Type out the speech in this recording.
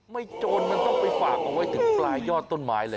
โจรมันต้องไปฝากเอาไว้ถึงปลายยอดต้นไม้เลย